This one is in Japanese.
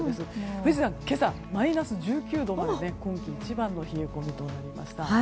富士山、今朝マイナス１９度まで今季一番の冷え込みとなりました。